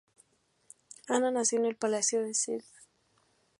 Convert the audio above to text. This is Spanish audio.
Ana nació en el palacio de St.